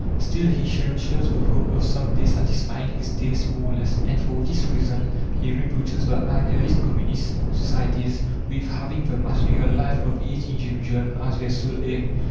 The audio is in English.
Still he cherishes the hope of some day satisfying his tastes more or less, and for this reason he reproaches the idealist Communist societies with having the material life of each individual as their sole aim.